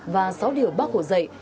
và sáu điều bác hồ dạy